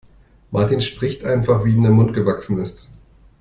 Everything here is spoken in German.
Martin spricht einfach, wie ihm der Mund gewachsen ist.